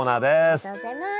ありがとうございます。